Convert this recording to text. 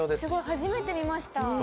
初めて見ました。